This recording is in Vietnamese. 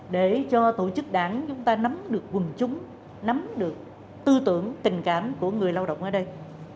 để cho tổ chức đảng chúng ta nắm được quần chúng nắm được tư tưởng tình cảm của người lao động ở đây